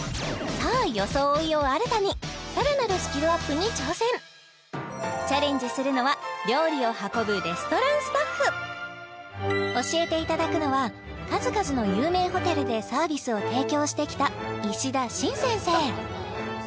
さあ装いを新たにチャレンジするのは料理を運ぶレストランスタッフ教えていただくのは数々の有名ホテルでサービスを提供してきた石田慎先生